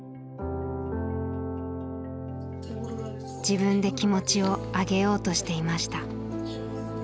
自分で気持ちを上げようとしていました。